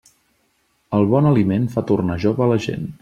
El bon aliment fa tornar jove a la gent.